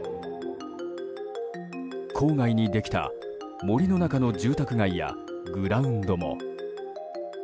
郊外にできた森の中の住宅街やグラウンドも。